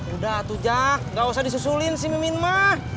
udah tuh jak gak usah disusulin si mimin mah